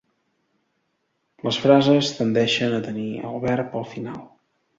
Les frases tendeixen a tenir el verb al final.